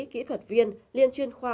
kỹ thuật viên liên chuyên khoa